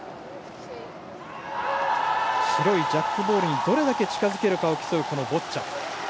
白いジャックボールにどれだけ近づけるかを競うボッチャ。